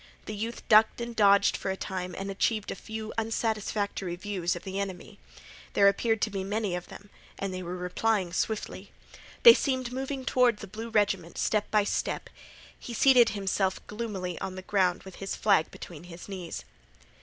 The youth ducked and dodged for a time and achieved a few unsatisfactory views of the enemy. There appeared to be many of them and they were replying swiftly. They seemed moving toward the blue regiment, step by step. He seated himself gloomily on the ground with his flag between his knees.